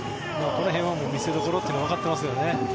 この辺は見せどころというのがわかっていますよね。